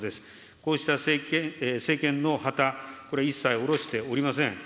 こうした政権の旗、これ一切下ろしておりません。